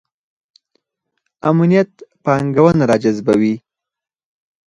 امنیت پانګونه راجذبوي